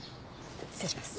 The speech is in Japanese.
失礼します。